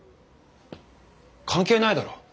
関係ないだろ。